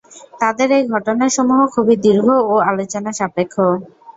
তাদের এই ঘটনাসমূহ খুবই দীর্ঘ ও আলোচনা-সাপেক্ষ।